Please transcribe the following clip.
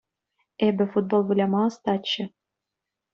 Эпӗ футбол выляма ӑстаччӗ.